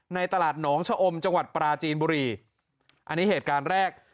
ในตลาดหนองชะอมจังหวัดปราจีนบุรีอันนี้เหตุการณ์แรก